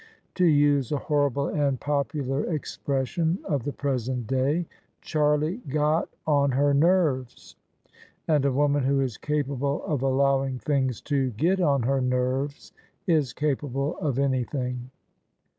To use a horrible and popular expression of the present day, Charlie " got on her nerves ''; and a woman who is capable of allowing things to " get on her nerves " is capable of anything.